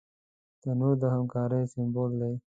تنور د همکارۍ سمبول دی